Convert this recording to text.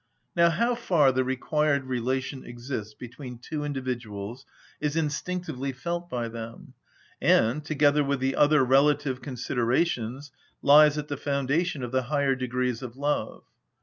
Now how far the required relation exists between two individuals is instinctively felt by them, and, together with the other relative considerations, lies at the foundation of the higher degrees of love.